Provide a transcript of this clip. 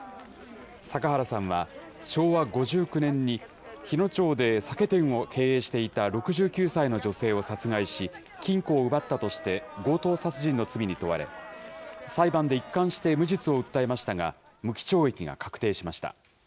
阪原さんは昭和５９年に、日野町で酒店を経営していた６９歳の女性を殺害し、金庫を奪ったとして、強盗殺人の罪に問われ、裁判で一貫して無実を訴えましたが、無期懲役が確定しました。